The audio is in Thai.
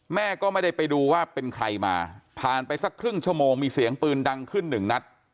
แม่ก็ไม่ได้ไปดูว่าเป็นใครมาผ่านไปสักครึ่งชั่วโมงมีเสียงปืนดังขึ้นหนึ่งนัด